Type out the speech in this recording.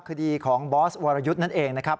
คดีของบอสวรยุทธ์นั่นเองนะครับ